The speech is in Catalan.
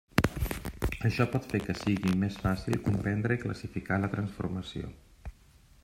Això pot fer que sigui més fàcil comprendre i classificar la transformació.